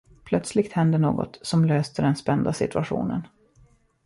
Plötsligt hände något, som löste den spända situationen.